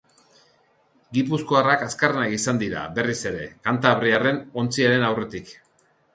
Gipuzkoarrak azkarrenak izan dira, berriz ere, kantabriarren ontziaren aurretik.